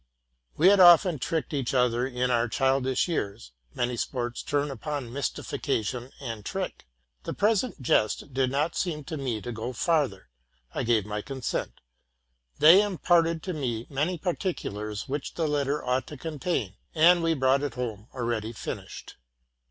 We had often tricked each other in our childish years: many sports turn upon mystification and trick. The present jest did not seem to me to go farther: I gave my consent. They imparted to me many particulars which the letter ought to contain, and we brought it home already fin ished.